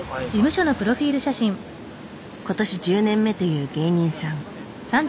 今年１０年目という芸人さん。